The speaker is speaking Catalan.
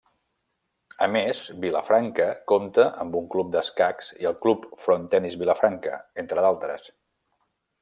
A més, Vilafranca compta amb un club d'escacs i el Club Frontenis Vilafranca, entre d'altres.